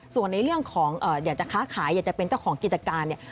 ส่วนในเรื่องของอยากจะค้าขายอยากจะเป็นเจ้าของกิจการเนี่ย